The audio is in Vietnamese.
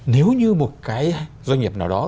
nếu như một cái doanh nghiệp nào đó